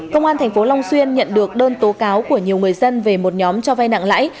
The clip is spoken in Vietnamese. công an tp long xuyên nhận được đơn tố cáo của nhiều người dân về một nhóm cho vay nặng lãi